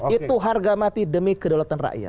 itu harga mati demi kedaulatan rakyat